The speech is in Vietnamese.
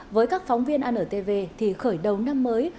với các phóng viên antv thì khởi đầu năm mới